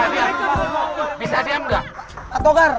bisa diem gak